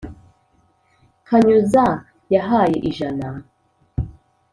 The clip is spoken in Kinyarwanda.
kanyuza yahaye ijana